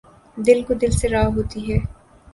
دل کو دل سے راہ ہوتی ہے